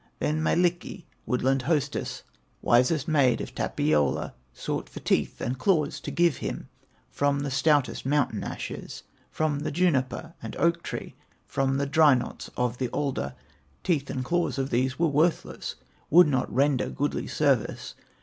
Then Mielikki, woodland hostess, Wisest maid of Tapiola, Sought for teeth and claws to give him, From the stoutest mountain ashes, From the juniper and oak tree, From the dry knots of the alder. Teeth and claws of these were worthless, Would not render goodly service.